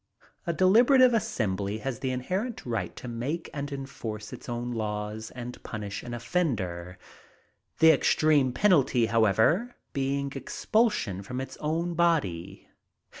A deliberative assembly has the inherent right to make and enforce its own laws and punish an offender—the extreme penalty, however, being expulsion from its own body.